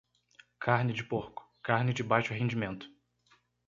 Carne de porco, carne de baixo rendimento.